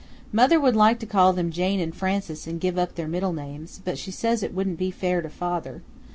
Mother would like to call them Jane and Frances and give up their middle names, but she says it wouldn't be fair to father.